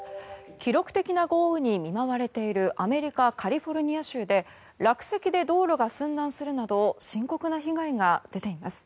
記録的な豪雨に見舞われているアメリカ・カリフォルニア州で落石で道路が寸断するなど深刻な被害が出ています。